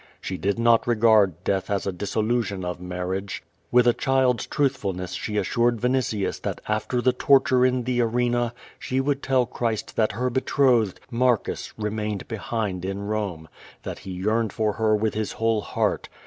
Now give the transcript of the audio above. She did not regard death as a dissolution of marriage. With a child's truthfulness she assured Vinitius that after the torture in the arena &he would tell Christ that her betrothed, llarcus, re mained behind in Rome; that he yearned for her with his whole heart.